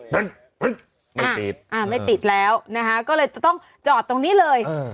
มันไม่ติดอ่าไม่ติดแล้วนะคะก็เลยจะต้องจอดตรงนี้เลย